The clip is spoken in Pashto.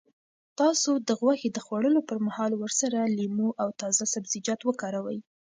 تاسو د غوښې د خوړلو پر مهال ورسره لیمو او تازه سبزیجات وکاروئ.